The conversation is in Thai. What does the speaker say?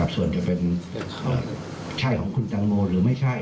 ส่วนจะเป็นใช่ของคุณตังโมหรือไม่ใช่